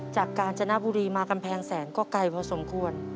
กาญจนบุรีมากำแพงแสนก็ไกลพอสมควร